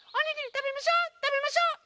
たべましょう！